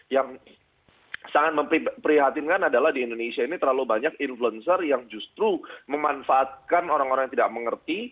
yang sangat memprihatinkan adalah di indonesia ini terlalu banyak influencer yang justru memanfaatkan orang orang yang tidak mengerti